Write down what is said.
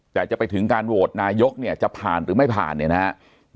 แต่จะไปถึงการโหวตนายกเนี่ยจะผ่านหรือไม่ผ่านเนี่ยนะครับ